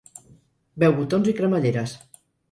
Veu botons i cremalleres.